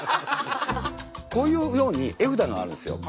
こういうように絵札があるんですよ。